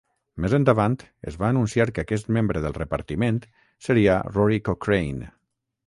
Més endavant es va anunciar que aquest membre del repartiment seria Rory Cochrane.